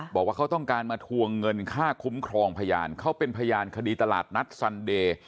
บอกว่าเขาต้องการมาทวงเงินค่าคุ้มครองพยานเขาเป็นพยานคดีตลาดนัดซันเดย์